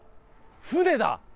船だ。